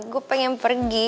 gue pengen pergi